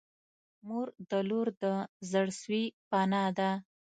• لور د مور د زړسوي پناه ده.